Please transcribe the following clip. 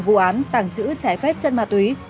vụ án tàng trữ trái phép chất ma túy